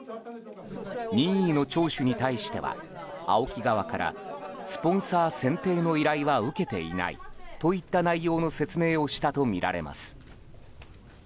任意の聴取に対してはＡＯＫＩ側からスポンサー選定の依頼は受けていないといった内容の説明をしたとみられます。